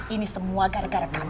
ini semua gara gara kami